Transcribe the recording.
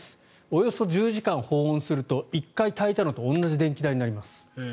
およそ１０時間保温すると１回炊いたのと同じ電気代になります。